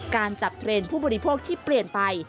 การจัดเทรนด์ผู้บริโภคที่เปลี่ยนไป